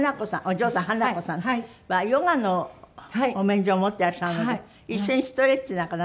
お嬢さん華子さんはヨガのお免状を持ってらっしゃるので一緒にストレッチなんかなさっていいんですって？